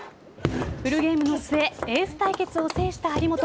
フルゲームの末エース対決を制した張本。